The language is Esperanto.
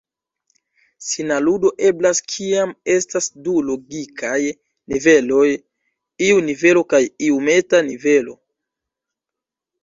Sinaludo eblas kiam estas du logikaj niveloj, iu nivelo kaj iu meta-nivelo.